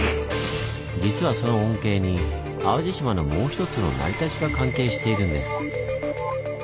実はその恩恵に淡路島のもうひとつの成り立ちが関係しているんです。